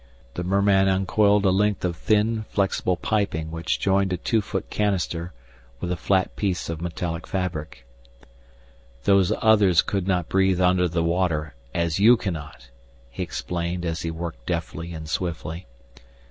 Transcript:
The merman uncoiled a length of thin, flexible piping which joined a two foot canister with a flat piece of metallic fabric. "Those Others could not breathe under the water, as you cannot," he explained as he worked deftly and swiftly.